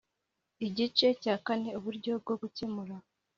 Igice cya kane Uburyo bwo gukemura